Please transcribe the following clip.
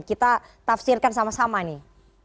kita tafsirkan sama sama nih